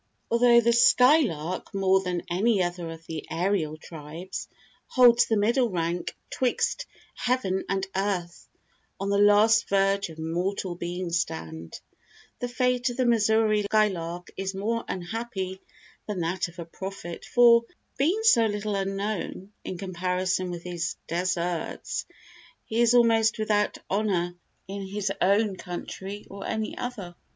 Although the skylark, more than any other of the aerial tribes, "holds the middle rank 'twixt heaven and earth, on the last verge of mortal being stand," the fate of the Missouri skylark is more unhappy than that of a prophet, for, being so little known in comparison with his deserts, he is almost without honor in his own country or any other.